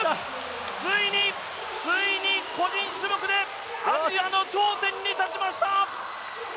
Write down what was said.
ついについに個人種目でアジアの頂点に立ちました！